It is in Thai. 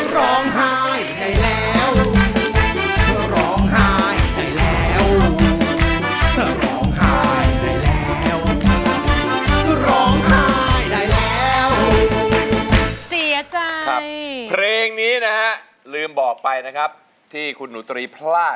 ร้องไห้ได้แล้วร้องไห้ได้แล้วร้องไห้ได้แล้วร้องไห้ได้แล้ว